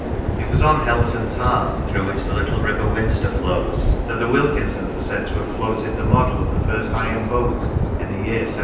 It was on Helton Tarn, through which the little river Winster flows, that the Wilkinsons are said to have floated the model of the first iron boat, in the year 1763.